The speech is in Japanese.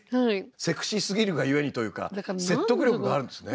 セクシーすぎるが故にというか説得力があるんですね。